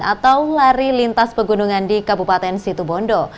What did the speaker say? atau lari lintas pegunungan di kabupaten situbondo